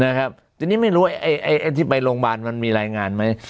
นะครับทีนี้ไม่รู้ว่าไอ้ที่ไปโรงพยาบาลมันมีรายงานไหม